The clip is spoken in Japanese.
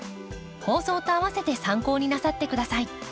放送とあわせて参考になさって下さい。